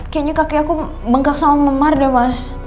kayaknya kaki aku bengkak sama memar deh mas